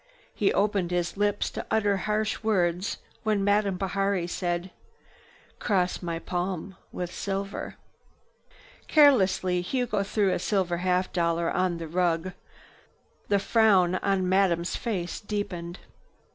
He opened his lips to utter harsh words, when Madame said: "Cross my palm with silver." Carelessly, Hugo threw a silver half dollar on the rug. The frown on Madame's face deepened.